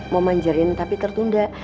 mau manjerin tapi tertunda